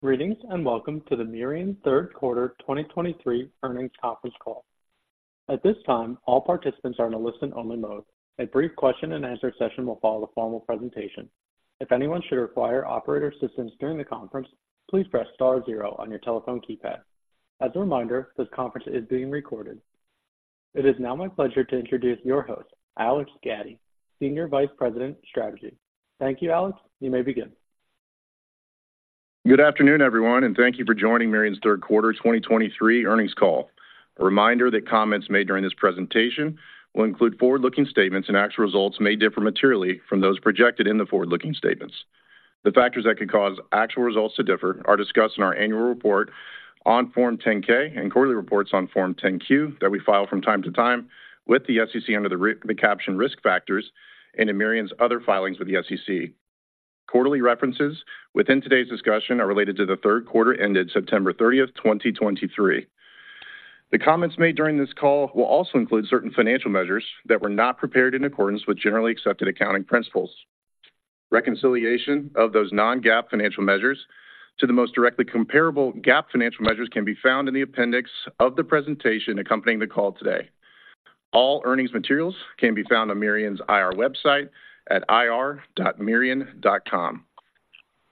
Greetings, and welcome to the Mirion third quarter 2023 earnings conference call. At this time, all participants are in a listen-only mode. A brief question and answer session will follow the formal presentation. If anyone should require operator assistance during the conference, please press star zero on your telephone keypad. As a reminder, this conference is being recorded. It is now my pleasure to introduce your host, Alex Gaddy, Senior Vice President, Strategy. Thank you, Alex. You may begin. Good afternoon, everyone, and thank you for joining Mirion's third quarter 2023 earnings call. A reminder that comments made during this presentation will include forward-looking statements, and actual results may differ materially from those projected in the forward-looking statements. The factors that could cause actual results to differ are discussed in our annual report on Form 10-K and quarterly reports on Form 10-Q that we file from time to time with the SEC under the caption risk factors and in Mirion's other filings with the SEC. Quarterly references within today's discussion are related to the third quarter ended September 30th, 2023. The comments made during this call will also include certain financial measures that were not prepared in accordance with generally accepted accounting principles. Reconciliation of those non-GAAP financial measures to the most directly comparable GAAP financial measures can be found in the appendix of the presentation accompanying the call today. All earnings materials can be found on Mirion's IR website at ir.mirion.com.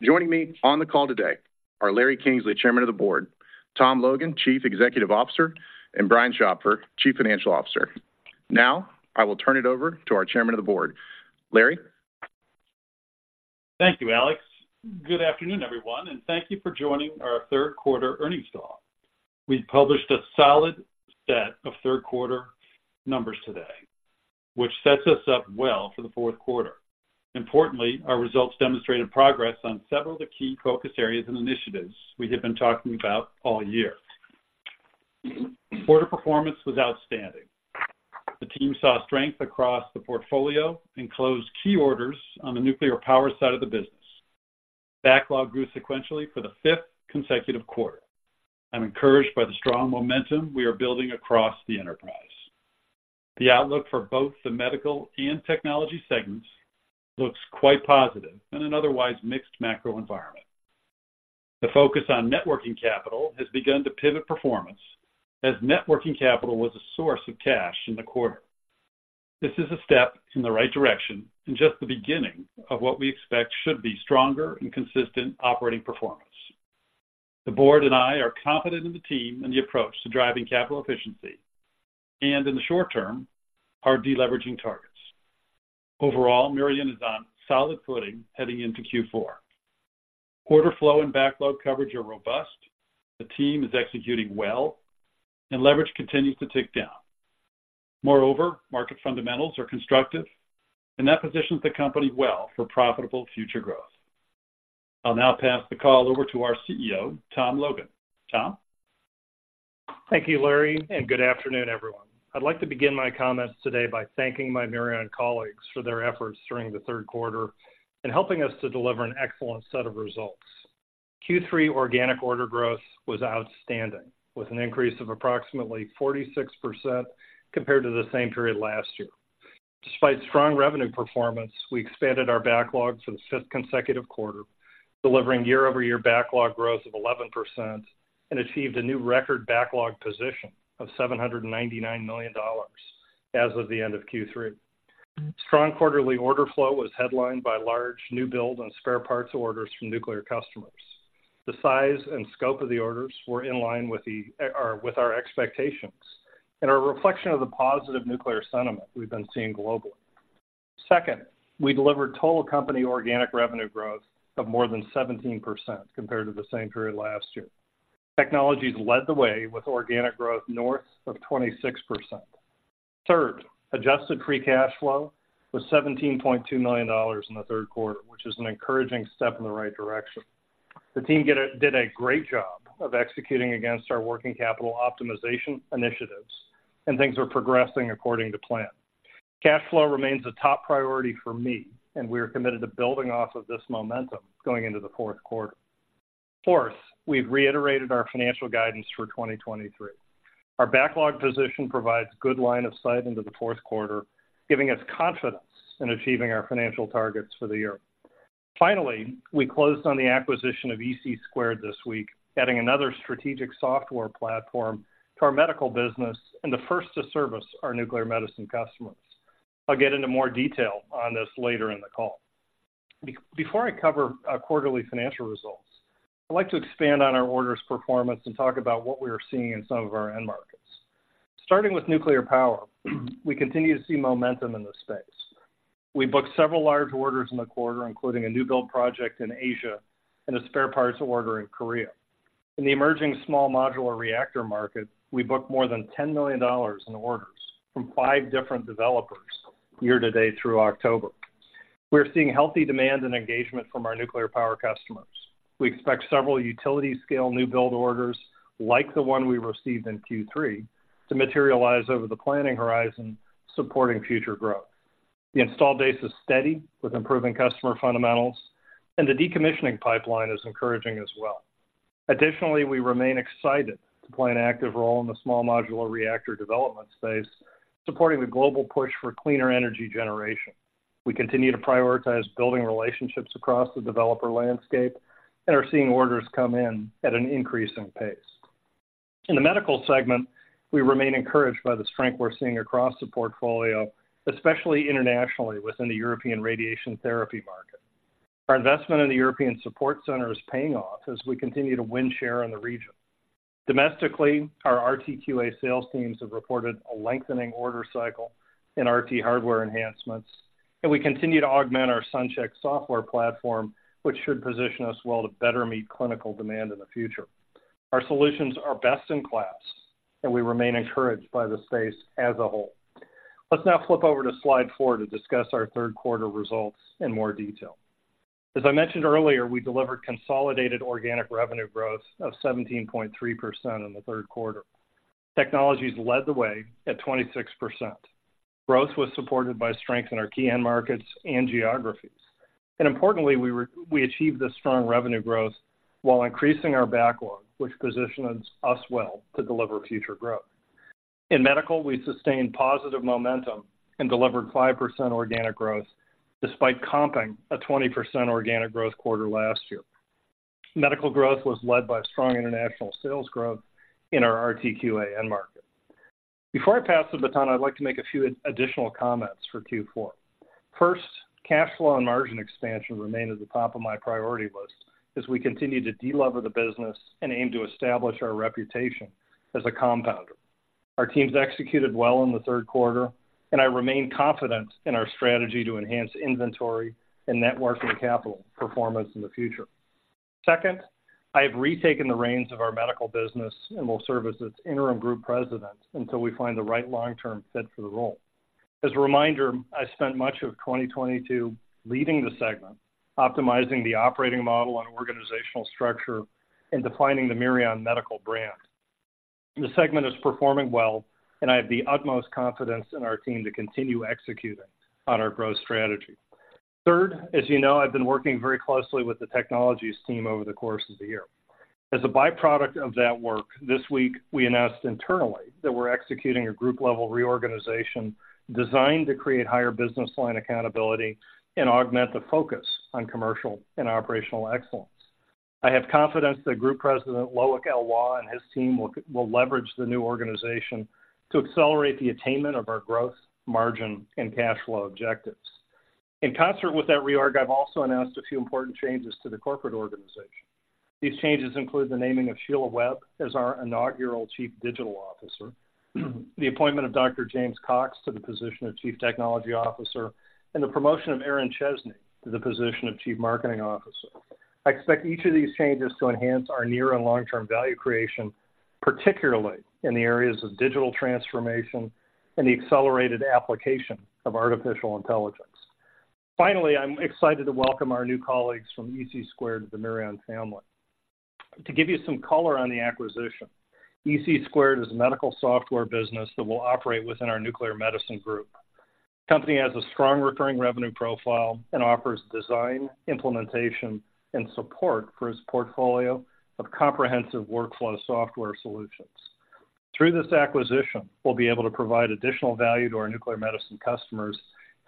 Joining me on the call today are Larry Kingsley, Chairman of the Board, Tom Logan, Chief Executive Officer, and Brian Schopfer, Chief Financial Officer. Now, I will turn it over to our Chairman of the Board. Larry? Thank you, Alex. Good afternoon, everyone, and thank you for joining our third quarter earnings call. We published a solid set of third quarter numbers today, which sets us up well for the fourth quarter. Importantly, our results demonstrated progress on several of the key focus areas and initiatives we have been talking about all year. Quarter performance was outstanding. The team saw strength across the portfolio and closed key orders on the nuclear power side of the business. Backlog grew sequentially for the fifth consecutive quarter. I'm encouraged by the strong momentum we are building across the enterprise. The outlook for both the medical and technology segments looks quite positive in an otherwise mixed macro environment. The focus on net working capital has begun to pivot performance, as net working capital was a source of cash in the quarter. This is a step in the right direction and just the beginning of what we expect should be stronger and consistent operating performance. The board and I are confident in the team and the approach to driving capital efficiency, and in the short term, our deleveraging targets. Overall, Mirion is on solid footing heading into Q4. Order flow and backlog coverage are robust, the team is executing well, and leverage continues to tick down. Moreover, market fundamentals are constructive, and that positions the company well for profitable future growth. I'll now pass the call over to our CEO, Tom Logan. Tom? Thank you, Larry, and good afternoon, everyone. I'd like to begin my comments today by thanking my Mirion colleagues for their efforts during the third quarter and helping us to deliver an excellent set of results. Q3 organic order growth was outstanding, with an increase of approximately 46% compared to the same period last year. Despite strong revenue performance, we expanded our backlog for the fifth consecutive quarter, delivering year-over-year backlog growth of 11% and achieved a new record backlog position of $799 million as of the end of Q3. Strong quarterly order flow was headlined by large new build and spare parts orders from nuclear customers. The size and scope of the orders were in line with our expectations and are a reflection of the positive nuclear sentiment we've been seeing globally. Second, we delivered total company organic revenue growth of more than 17% compared to the same period last year. Technologies led the way with organic growth north of 26%. Third, Adjusted free cash flow was $17.2 million in the third quarter, which is an encouraging step in the right direction. The team did a great job of executing against our working capital optimization initiatives, and things are progressing according to plan. Cash flow remains a top priority for me, and we are committed to building off of this momentum going into the fourth quarter. Fourth, we've reiterated our financial guidance for 2023. Our backlog position provides good line of sight into the fourth quarter, giving us confidence in achieving our financial targets for the year. Finally, we closed on the acquisition of ec² this week, adding another strategic software platform to our medical business and the first to service our nuclear medicine customers. I'll get into more detail on this later in the call. Before I cover our quarterly financial results, I'd like to expand on our orders performance and talk about what we are seeing in some of our end markets. Starting with nuclear power, we continue to see momentum in this space. We booked several large orders in the quarter, including a new build project in Asia and a spare parts order in Korea. In the emerging small modular reactor market, we booked more than $10 million in orders from five different developers year-to-date through October. We're seeing healthy demand and engagement from our nuclear power customers. We expect several utility scale new build orders, like the one we received in Q3, to materialize over the planning horizon, supporting future growth. The install base is steady, with improving customer fundamentals, and the decommissioning pipeline is encouraging as well…. Additionally, we remain excited to play an active role in the small modular reactor development space, supporting the global push for cleaner energy generation. We continue to prioritize building relationships across the developer landscape and are seeing orders come in at an increasing pace. In the medical segment, we remain encouraged by the strength we're seeing across the portfolio, especially internationally, within the European radiation therapy market. Our investment in the European Support Center is paying off as we continue to win share in the region. Domestically, our RTQA sales teams have reported a lengthening order cycle in RT hardware enhancements, and we continue to augment our SunCHECK software platform, which should position us well to better meet clinical demand in the future. Our solutions are best in class, and we remain encouraged by the space as a whole. Let's now flip over to slide 4 to discuss our third quarter results in more detail. As I mentioned earlier, we delivered consolidated organic revenue growth of 17.3% in the third quarter. Technologies led the way at 26%. Growth was supported by strength in our key end markets and geographies. Importantly, we achieved this strong revenue growth while increasing our backlog, which positions us well to deliver future growth. In Medical, we sustained positive momentum and delivered 5% organic growth, despite comping a 20% organic growth quarter last year. Medical growth was led by strong international sales growth in our RTQA end market. Before I pass the baton, I'd like to make a few additional comments for Q4. First, cash flow and margin expansion remain at the top of my priority list as we continue to delever the business and aim to establish our reputation as a compounder. Our teams executed well in the third quarter, and I remain confident in our strategy to enhance inventory and net working capital performance in the future. Second, I have retaken the reins of our Medical business and will serve as its interim group president until we find the right long-term fit for the role. As a reminder, I spent much of 2022 leading the segment, optimizing the operating model and organizational structure, and defining the Mirion medical brand. The segment is performing well, and I have the utmost confidence in our team to continue executing on our growth strategy. Third, as you know, I've been working very closely with the technologies team over the course of the year. As a byproduct of that work, this week, we announced internally that we're executing a group-level reorganization designed to create higher business line accountability and augment the focus on commercial and operational excellence. I have confidence that Group President Loic Eloy and his team will leverage the new organization to accelerate the attainment of our growth, margin, and cash flow objectives. In concert with that reorg, I've also announced a few important changes to the corporate organization. These changes include the naming of Sheilagh Webb as our inaugural Chief Digital Officer, the appointment of Dr. James Cocks to the position of Chief Technology Officer, and the promotion of Erin Chesney to the position of Chief Marketing Officer. I expect each of these changes to enhance our near and long-term value creation, particularly in the areas of digital transformation and the accelerated application of artificial intelligence. Finally, I'm excited to welcome our new colleagues from ec² to the Mirion family. To give you some color on the acquisition, ec² is a medical software business that will operate within our nuclear medicine group. The company has a strong recurring revenue profile and offers design, implementation, and support for its portfolio of comprehensive workflow software solutions. Through this acquisition, we'll be able to provide additional value to our nuclear medicine customers,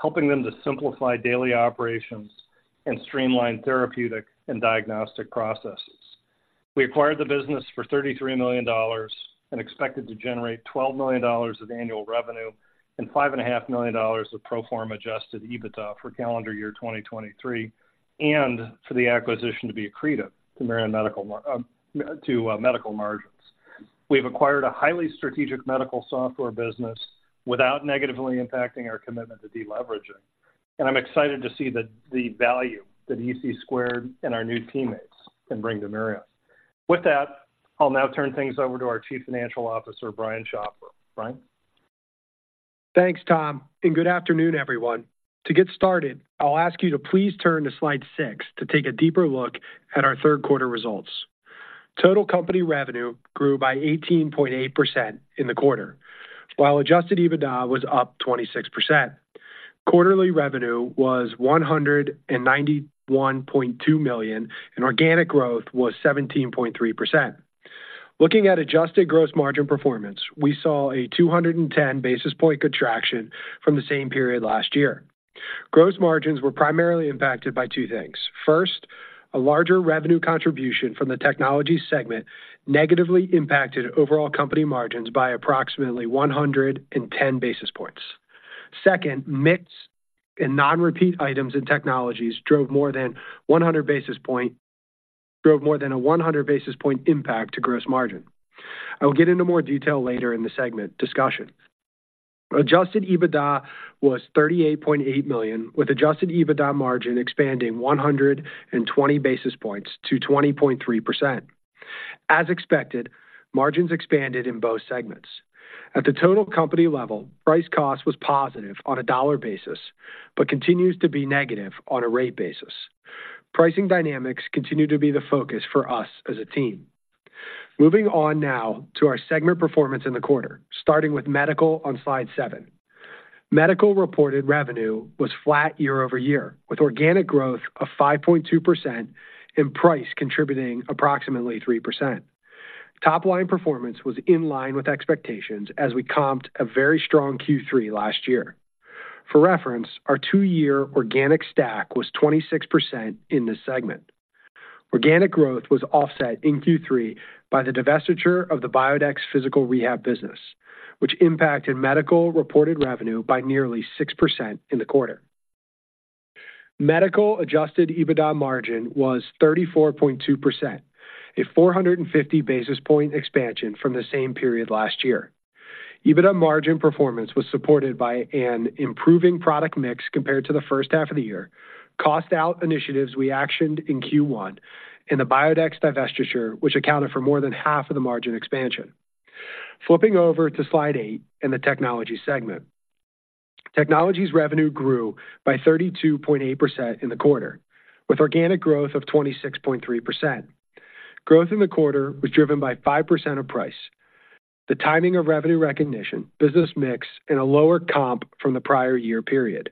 helping them to simplify daily operations and streamline therapeutic and diagnostic processes. We acquired the business for $33 million and expected to generate $12 million of annual revenue and $5.5 million of pro forma Adjusted EBITDA for calendar year 2023, and for the acquisition to be accretive to Mirion medical margins. We've acquired a highly strategic medical software business without negatively impacting our commitment to deleveraging, and I'm excited to see the value that ec² and our new teammates can bring to Mirion. With that, I'll now turn things over to our Chief Financial Officer, Brian Schopfer. Brian? Thanks, Tom, and good afternoon, everyone. To get started, I'll ask you to please turn to slide 6 to take a deeper look at our third quarter results. Total company revenue grew by 18.8% in the quarter, while Adjusted EBITDA was up 26%. Quarterly revenue was $191.2 million, and organic growth was 17.3%. Looking at Adjusted gross margin performance, we saw a 210 basis point contraction from the same period last year. Gross margins were primarily impacted by two things. First, a larger revenue contribution from the technology segment negatively impacted overall company margins by approximately 110 basis points. Second, mix and non-repeat items in technologies drove more than a 100 basis point impact to gross margin. I will get into more detail later in the segment discussion. Adjusted EBITDA was $38.8 million, with Adjusted EBITDA margin expanding 120 basis points to 20.3%. As expected, margins expanded in both segments. At the total company level, price cost was positive on a dollar basis but continues to be negative on a rate basis. Pricing dynamics continue to be the focus for us as a team. Moving on now to our segment performance in the quarter, starting with medical on slide seven. Medical reported revenue was flat year-over-year, with organic growth of 5.2% and price contributing approximately 3%. Top line performance was in line with expectations as we comped a very strong Q3 last year. For reference, our two-year organic stack was 26% in this segment. Organic growth was offset in Q3 by the divestiture of the Biodex Physical Rehab business, which impacted medical reported revenue by nearly 6% in the quarter. Medical Adjusted EBITDA margin was 34.2%, a 450 basis point expansion from the same period last year. EBITDA margin performance was supported by an improving product mix compared to the first half of the year, cost out initiatives we actioned in Q1, and the Biodex divestiture, which accounted for more than half of the margin expansion. Flipping over to slide eight in the technology segment. Technology's revenue grew by 32.8% in the quarter, with organic growth of 26.3%. Growth in the quarter was driven by 5% of price, the timing of revenue recognition, business mix, and a lower comp from the prior year period.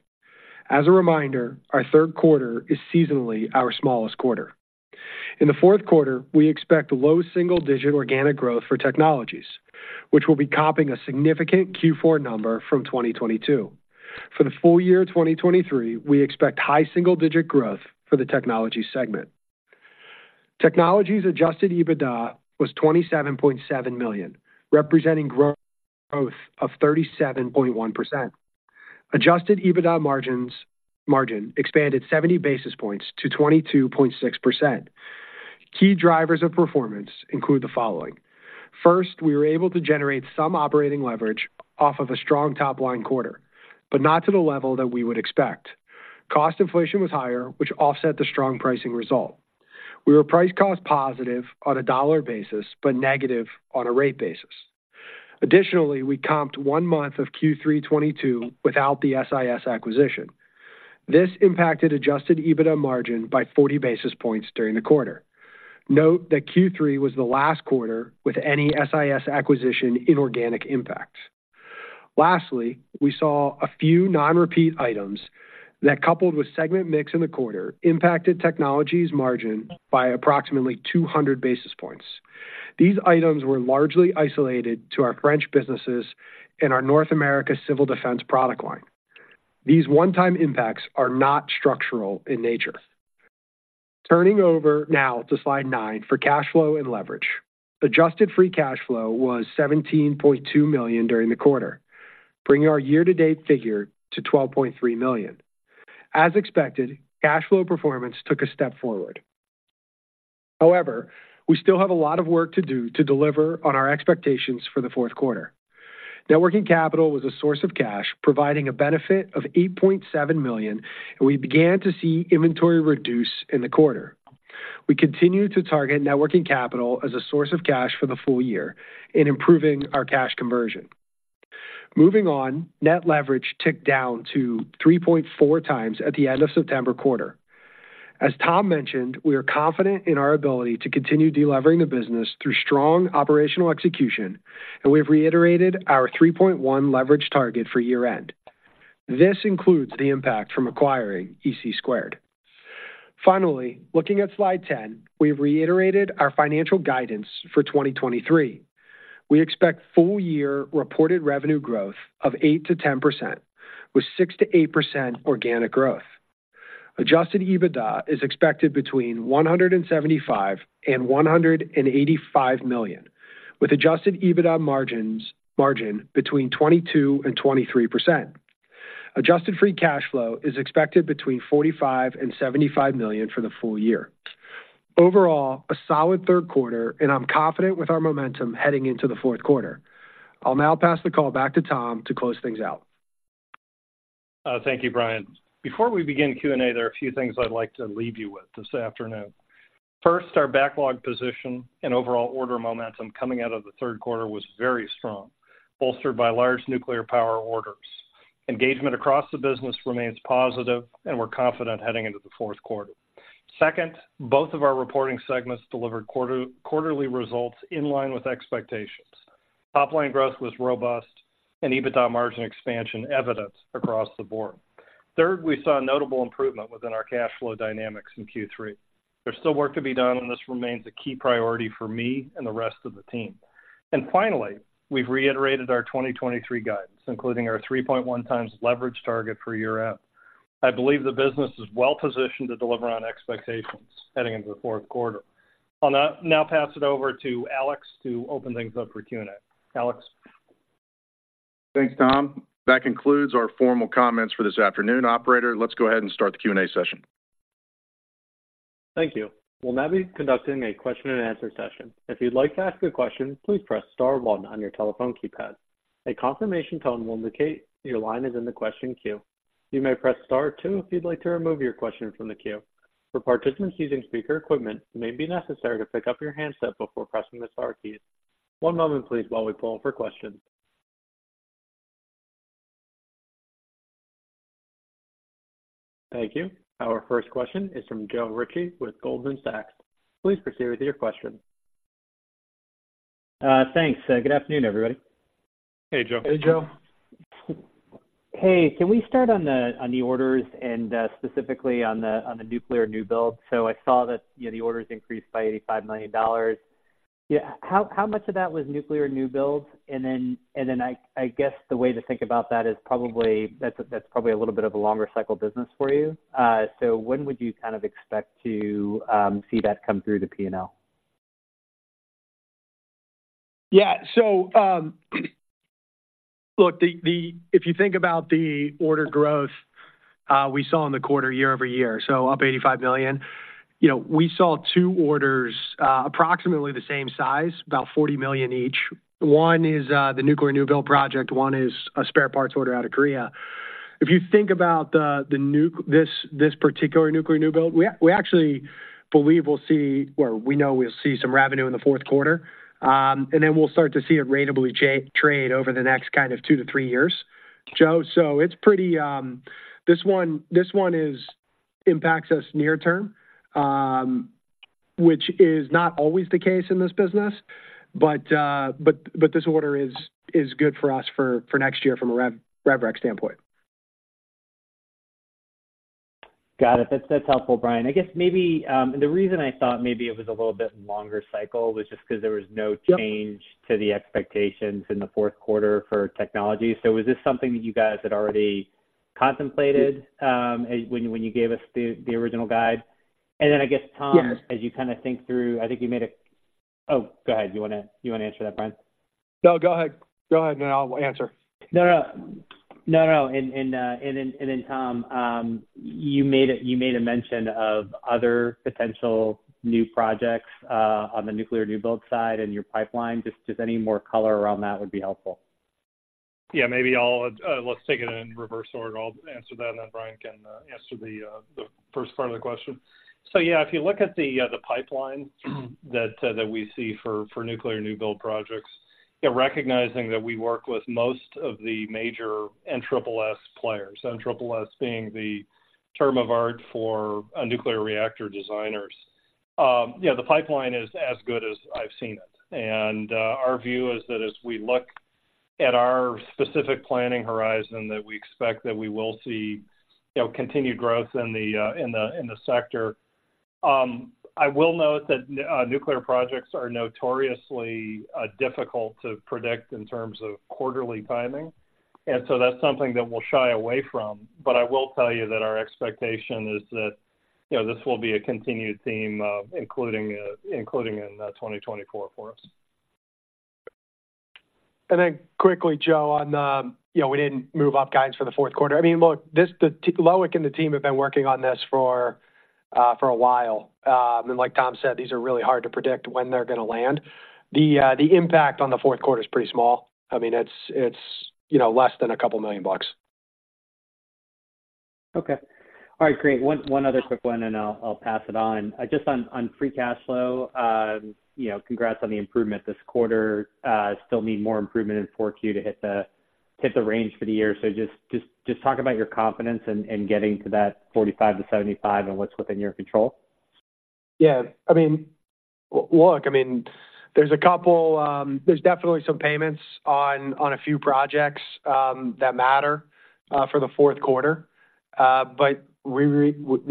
As a reminder, our third quarter is seasonally our smallest quarter. In the fourth quarter, we expect low single-digit organic growth for technologies, which will be comping a significant Q4 number from 2022. For the full year 2023, we expect high single-digit growth for the technology segment. Technology's Adjusted EBITDA was $27.7 million, representing growth of 37.1%. Adjusted EBITDA margin expanded 70 basis points to 22.6%. Key drivers of performance include the following: First, we were able to generate some operating leverage off of a strong top-line quarter, but not to the level that we would expect. Cost inflation was higher, which offset the strong pricing result. We were price-cost positive on a dollar basis, but negative on a rate basis. Additionally, we comped one month of Q3 2022 without the HDS acquisition. This impacted Adjusted EBITDA margin by 40 basis points during the quarter. Note that Q3 was the last quarter with any SIS acquisition inorganic impact. Lastly, we saw a few non-repeat items that, coupled with segment mix in the quarter, impacted technology's margin by approximately 200 basis points. These items were largely isolated to our French businesses and our North America civil defense product line. These one-time impacts are not structural in nature. Turning over now to slide 9 for cash flow and leverage. Adjusted free cash flow was $17.2 million during the quarter, bringing our year-to-date figure to $12.3 million. As expected, cash flow performance took a step forward. However, we still have a lot of work to do to deliver on our expectations for the fourth quarter. working capital was a source of cash, providing a benefit of $8.7 million, and we began to see inventory reduce in the quarter. We continue to target net working capital as a source of cash for the full year in improving our cash conversion. Moving on, net leverage ticked down to 3.4x at the end of September quarter. As Tom mentioned, we are confident in our ability to continue delevering the business through strong operational execution, and we've reiterated our 3.1x leverage target for year-end. This includes the impact from acquiring ec². Finally, looking at slide 10, we've reiterated our financial guidance for 2023. We expect full year reported revenue growth of 8%-10%, with 6%-8% organic growth. Adjusted EBITDA is expected between $175 million and $185 million, with Adjusted EBITDA margin between 22% and 23%. Adjusted free cash flow is expected between $45 million and $75 million for the full year. Overall, a solid third quarter, and I'm confident with our momentum heading into the fourth quarter. I'll now pass the call back to Tom to close things out. Thank you, Brian. Before we begin Q&A, there are a few things I'd like to leave you with this afternoon. First, our backlog position and overall order momentum coming out of the third quarter was very strong, bolstered by large nuclear power orders. Engagement across the business remains positive, and we're confident heading into the fourth quarter. Second, both of our reporting segments delivered quarterly results in line with expectations. Top line growth was robust and EBITDA margin expansion evidenced across the board. Third, we saw a notable improvement within our cash flow dynamics in Q3. There's still work to be done, and this remains a key priority for me and the rest of the team. Finally, we've reiterated our 2023 guidance, including our 3.1x leverage target for year-end. I believe the business is well positioned to deliver on expectations heading into the fourth quarter. I'll now pass it over to Alex to open things up for Q&A. Alex? Thanks, Tom. That concludes our formal comments for this afternoon. Operator, let's go ahead and start the Q&A session. Thank you. We'll now be conducting a question-and-answer session. If you'd like to ask a question, please press star one on your telephone keypad. A confirmation tone will indicate your line is in the question queue. You may press star two if you'd like to remove your question from the queue. For participants using speaker equipment, it may be necessary to pick up your handset before pressing the star key. One moment, please, while we poll for questions. Thank you. Our first question is from Joe Ritchie with Goldman Sachs. Please proceed with your question. Thanks. Good afternoon, everybody. Hey, Joe. Hey, Joe. Hey, can we start on the orders and specifically on the nuclear new build? So I saw that, you know, the orders increased by $85 million. Yeah, how much of that was nuclear new builds? And then I guess the way to think about that is probably that's a little bit of a longer cycle business for you. So when would you kind of expect to see that come through the P&L? Yeah. So, look, if you think about the order growth we saw in the quarter year over year, so up $85 million. You know, we saw two orders, approximately the same size, about $40 million each. One is the nuclear new build project, one is a spare parts order out of Korea. If you think about this particular nuclear new build, we actually believe we'll see or we know we'll see some revenue in the fourth quarter. And then we'll start to see it ratably trade over the next kind of two to three years, Joe. So it's pretty, this one impacts us near term, which is not always the case in this business, but this order is good for us for next year from a rev rec standpoint. Got it. That's, that's helpful, Brian. I guess maybe the reason I thought maybe it was a little bit longer cycle was just because there was no change to the expectations in the fourth quarter for technology. So was this something that you guys had already contemplated, when you gave us the original guide? And then I guess, Tom. Yeah As you kind of think through, I think you made a, Oh, go ahead. You wanna, you wanna answer that, Brian? No, go ahead. Go ahead, and then I'll answer. No, no. No, no, and then, Tom, you made a mention of other potential new projects on the nuclear new build side and your pipeline. Just any more color around that would be helpful. Yeah, maybe I'll, let's take it in reverse order. I'll answer that, and then Brian can answer the first part of the question. So yeah, if you look at the pipeline that we see for nuclear new build projects, yeah, recognizing that we work with most of the major NSSS players, NSSS being the term of art for a nuclear reactor designers. Yeah, the pipeline is as good as I've seen it. And our view is that as we look at our specific planning horizon, that we expect that we will see, you know, continued growth in the sector. I will note that nuclear projects are notoriously difficult to predict in terms of quarterly timing, and so that's something that we'll shy away from. But I will tell you that our expectation is that, you know, this will be a continued theme, including in 2024 for us. And then quickly, Joe, on the, you know, we didn't move up guidance for the fourth quarter. I mean, look, this, the Loic and the team have been working on this for, for a while. And like Tom said, these are really hard to predict when they're gonna land. The, the impact on the fourth quarter is pretty small. I mean, it's, it's, you know, less than $2 million. Okay. All right, great. One other quick one, and I'll pass it on. Just on free cash flow, you know, congrats on the improvement this quarter. Still need more improvement in Q4 to hit the range for the year. So just talk about your confidence in getting to that $45-$75 and what's within your control. Yeah, I mean, look, I mean, there's a couple, there's definitely some payments on a few projects that matter for the fourth quarter. But we,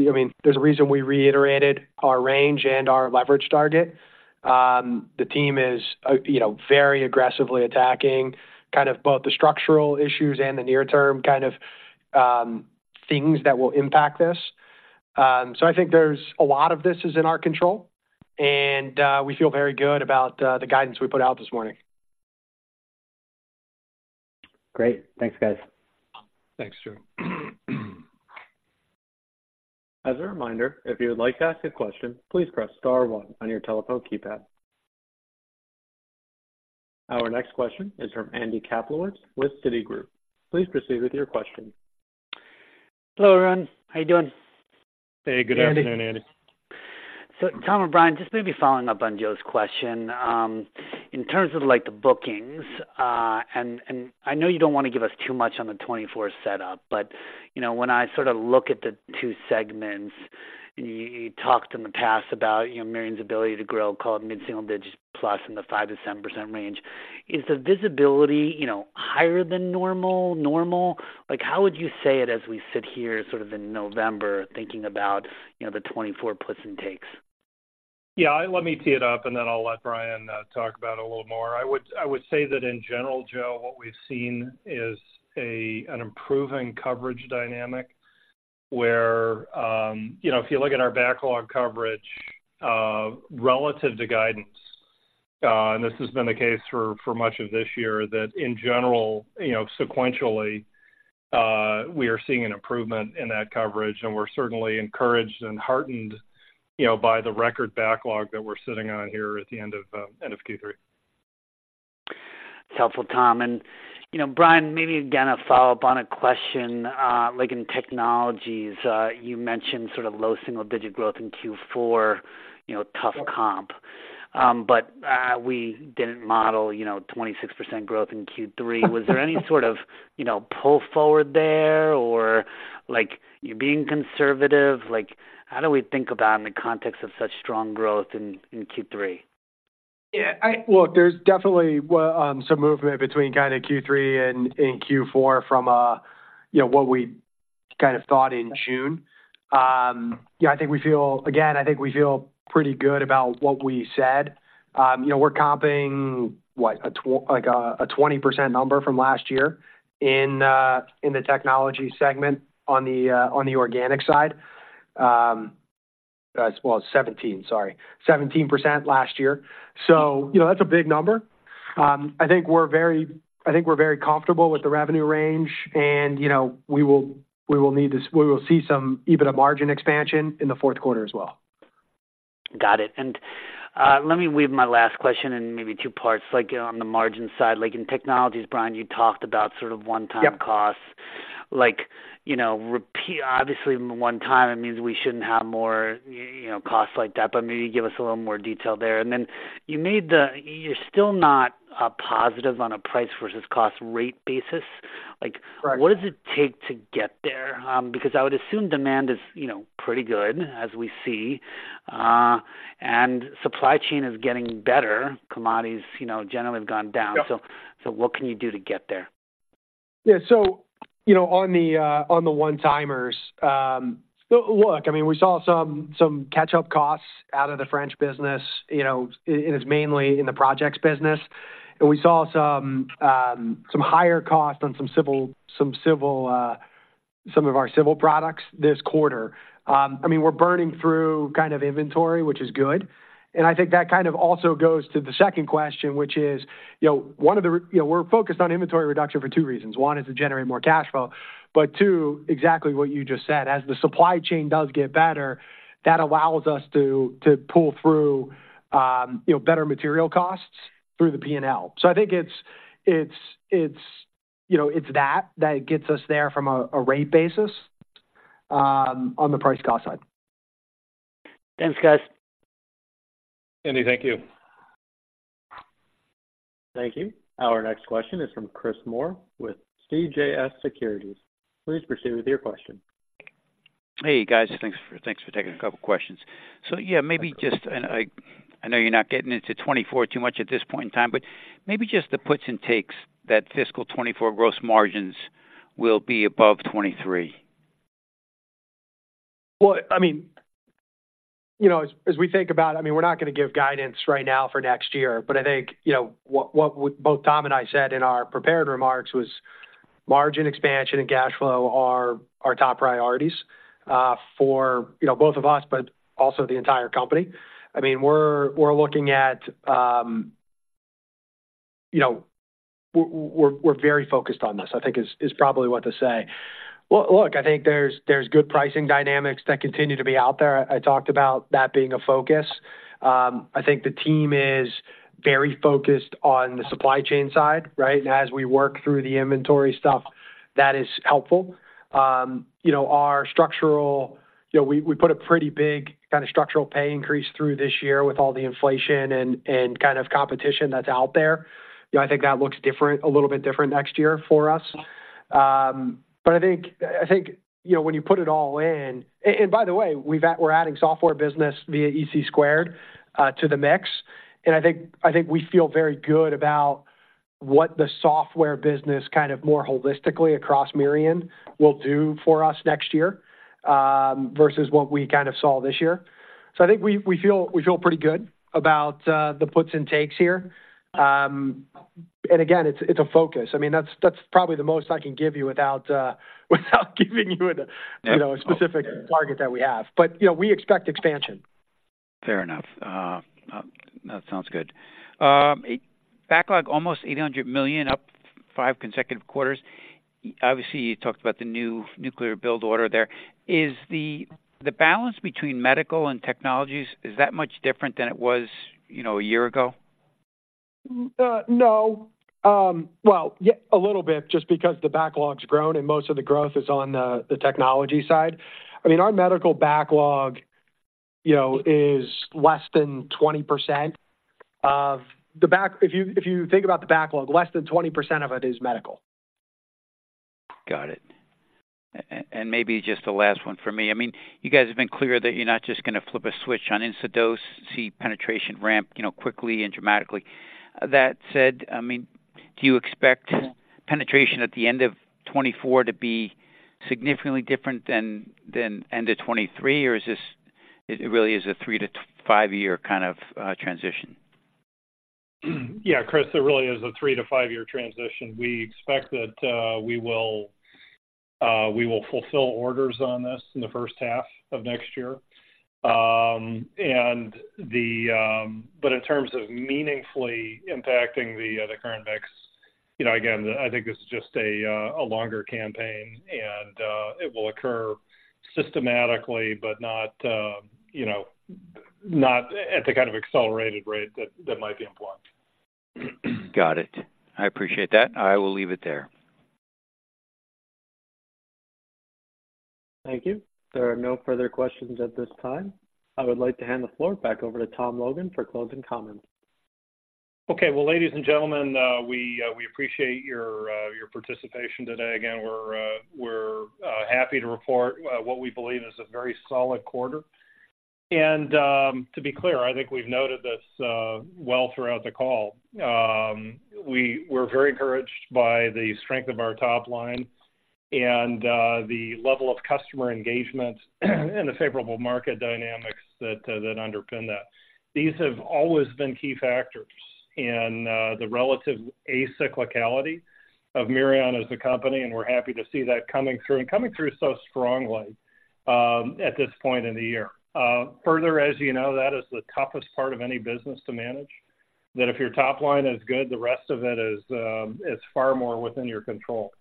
I mean, there's a reason we reiterated our range and our leverage target. The team is, you know, very aggressively attacking kind of both the structural issues and the near-term kind of things that will impact this. So I think there's a lot of this is in our control, and we feel very good about the guidance we put out this morning. Great. Thanks, guys. Thanks, Joe. As a reminder, if you would like to ask a question, please press star one on your telephone keypad. Our next question is from Andy Kaplowitz with Citigroup. Please proceed with your question. Hello, everyone. How you doing? Hey, good afternoon, Andy. So Tom and Brian, just maybe following up on Joe's question. In terms of, like, the bookings, and I know you don't want to give us too much on the 2024 setup, but, you know, when I sort of look at the two segments, and you talked in the past about, you know, Mirion's ability to grow, call it mid-single digits plus in the 5%-10% range, is the visibility, you know, higher than normal? Like, how would you say it as we sit here sort of in November, thinking about, you know, the 2024 puts and takes? Yeah, let me tee it up, and then I'll let Brian talk about it a little more. I would say that in general, Joe, what we've seen is an improving coverage dynamic where, you know, if you look at our backlog coverage relative to guidance, and this has been the case for much of this year, that in general, you know, sequentially, we are seeing an improvement in that coverage, and we're certainly encouraged and heartened, you know, by the record backlog that we're sitting on here at the end of Q3. It's helpful, Tom. You know, Brian, maybe, again, a follow-up on a question, like in technologies, you mentioned sort of low single-digit growth in Q4, you know, tough comp. But, we didn't model, you know, 26% growth in Q3. Was there any sort of, you know, pull forward there, or like, you're being conservative? Like, how do we think about in the context of such strong growth in Q3? Yeah, I look, there's definitely some movement between kinda Q3 and Q4 from you know what we kind of thought in June. Yeah, I think we feel again, I think we feel pretty good about what we said. You know, we're comping, what? A like a 20% number from last year in the technology segment on the organic side. Well, seventeen, sorry. 17% last year. So, you know, that's a big number. I think we're very, I think we're very comfortable with the revenue range, and you know, we will, we will need to we will see some EBITDA margin expansion in the fourth quarter as well. Got it. Let me weave my last question in maybe two parts. Like, on the margin side, like in technologies, Brian, you talked about sort of one-time costs. Like, you know, obviously, one time, it means we shouldn't have more, you know, costs like that, but maybe give us a little more detail there. And then you made the. You're still not positive on a price versus cost rate basis. Like. Right. What does it take to get there? Because I would assume demand is, you know, pretty good as we see, and supply chain is getting better. Commodities, you know, generally have gone down. Yep. So, what can you do to get there? Yeah, so, you know, on the one-timers, look, I mean, we saw some catch-up costs out of the French business, you know, it's mainly in the projects business. And we saw some higher costs on some of our civil products this quarter. I mean, we're burning through kind of inventory, which is good, and I think that kind of also goes to the second question, which is, you know, one of the reasons: we're focused on inventory reduction for two reasons: One, is to generate more cash flow, but two, exactly what you just said. As the supply chain does get better, that allows us to pull through, you know, better material costs through the P&L. So I think it's, you know, that gets us there from a rate basis on the price cost side. Thanks, guys. Andy, thank you. Thank you. Our next question is from Chris Moore with CJS Securities. Please proceed with your question. Hey, guys, thanks for taking a couple of questions. So, yeah, maybe just, I know you're not getting into 2024 too much at this point in time, but maybe just the puts and takes that fiscal 2024 gross margins will be above 2023. Well, I mean, you know, as we think about it, I mean, we're not gonna give guidance right now for next year. But I think, you know, what both Tom and I said in our prepared remarks was margin expansion and cash flow are our top priorities for, you know, both of us, but also the entire company. I mean, we're very focused on this, I think, is probably what to say. Well, look, I think there's good pricing dynamics that continue to be out there. I talked about that being a focus. I think the team is very focused on the supply chain side, right? And as we work through the inventory stuff, that is helpful. You know, our structural, you know, we put a pretty big structural pay increase through this year with all the inflation and kind of competition that's out there. You know, I think that looks different, a little bit different next year for us. But I think, you know, when you put it all in. And by the way, we're adding software business via ec² to the mix, and I think we feel very good about what the software business kind of more holistically across Mirion will do for us next year, versus what we kind of saw this year. So I think we feel pretty good about the puts and takes here. And again, it's a focus. I mean, that's probably the most I can give you without giving you the, you know, a specific target that we have. But, you know, we expect expansion. Fair enough. That sounds good. Backlog, almost $800 million, up 5 consecutive quarters. Obviously, you talked about the new nuclear build order there. Is the balance between medical and technologies, is that much different than it was, you know, a year ago? No. Well, yeah, a little bit, just because the backlog's grown and most of the growth is on the technology side. I mean, our medical backlog, you know, is less than 20% of the backlog. If you think about the backlog, less than 20% of it is medical. Got it. And maybe just the last one for me. I mean, you guys have been clear that you're not just gonna flip a switch on Instadose, see penetration ramp, you know, quickly and dramatically. That said, I mean, do you expect penetration at the end of 2024 to be significantly different than, than end of 2023, or is this, it really is a 3-5-year kind of transition? Yeah, Chris, it really is a 3-5-year transition. We expect that, we will, we will fulfill orders on this in the first half of next year. And the, but in terms of meaningfully impacting the, the current mix, you know, again, I think this is just a, a longer campaign, and, it will occur systematically, but not, you know, not at the kind of accelerated rate that, that might be important. Got it. I appreciate that. I will leave it there. Thank you. There are no further questions at this time. I would like to hand the floor back over to Tom Logan for closing comments. Okay. Well, ladies and gentlemen, we appreciate your participation today. Again, we're happy to report what we believe is a very solid quarter. To be clear, I think we've noted this well throughout the call. We're very encouraged by the strength of our top line and the level of customer engagement, and the favorable market dynamics that underpin that. These have always been key factors in the relative acyclicality of Mirion as a company, and we're happy to see that coming through, and coming through so strongly at this point in the year. Further, as you know, that is the toughest part of any business to manage, that if your top line is good, the rest of it is far more within your control.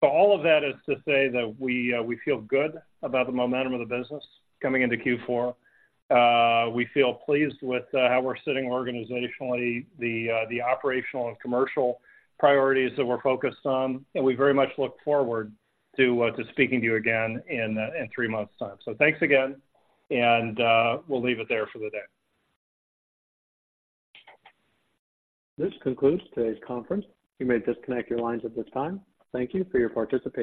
So all of that is to say that we feel good about the momentum of the business coming into Q4. We feel pleased with how we're sitting organizationally, the operational and commercial priorities that we're focused on, and we very much look forward to speaking to you again in three months' time. So thanks again, and we'll leave it there for the day. This concludes today's conference. You may disconnect your lines at this time. Thank you for your participation.